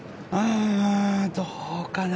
どうかな。